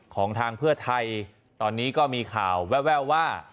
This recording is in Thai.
ของทางเพื่อไทยตอนนี้ก็มีข่าวแววว่า